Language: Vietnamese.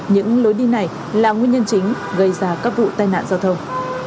những lối đi này là nguyên nhân chính gây ra các vụ tai nạn giao thông